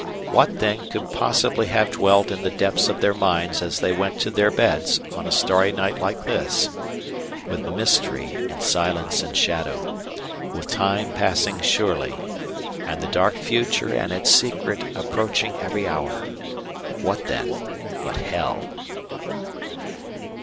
What, then, could possibly have dwelt in the depths of their minds as they went to their beds on a starry night like this, with mystery in silence and shadow, with time passing surely, and the dark future and its secret approaching every hour what, then, but hell?